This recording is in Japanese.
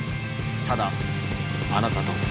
ただあなたと。